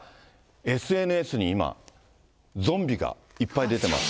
ＳＮＳに今、ゾンビがいっぱい出てます。